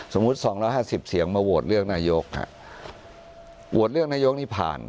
สมมุติ๒๕๐เสียงมาโหวตเรื่องนายกโหวตเรื่องนายกนี่ผ่านนะ